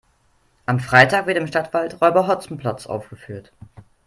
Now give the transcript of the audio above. Am Freitag wird im Stadtwald Räuber Hotzenplotz aufgeführt.